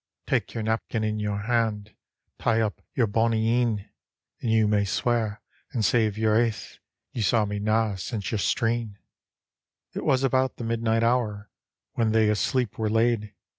"Take your napkin in your hand, Tie up your bonnie een, And you may swear and save your aith, Ye saw me na since yestreMi." It was about the midnight hour, When they asleep were laid.